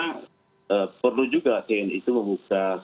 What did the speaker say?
karena perlu juga tni itu membuka